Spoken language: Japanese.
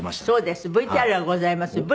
そうですＶＴＲがございます。